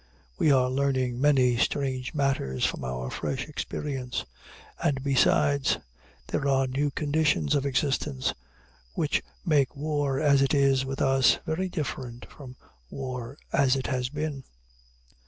We are learning many strange matters from our fresh experience. And besides, there are new conditions of existence which make war as it is with us very different from war as it has been.